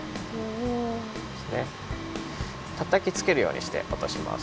たたきつけるようにしておとします。